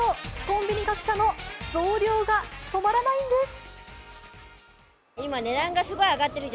コンビニ各社の増量が止まらないんです。